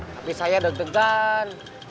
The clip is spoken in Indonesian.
tapi saya deg degan